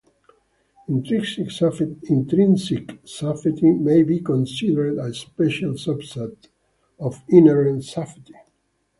Intrinsic safety may be considered a special subset of inherent safety.